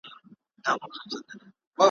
او د هري ښایستې کلمې د کارولو لپاره ځای لري `